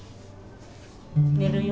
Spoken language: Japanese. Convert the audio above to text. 寝るよ。